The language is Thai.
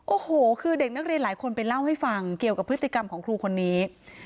โอ้โหคือเด็กนักเรียนหลายคนไปเล่าให้ฟังเกี่ยวกับพฤติกรรมของครูคนนี้